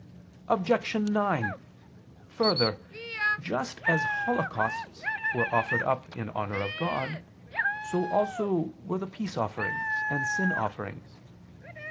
Objection 9: Further, just as holocausts were offered up in honor of God, so also were the peace offerings and sin offerings.